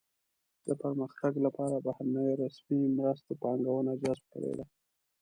د پرمختګ لپاره بهرنیو رسمي مرستو پانګونه جذب کړې ده.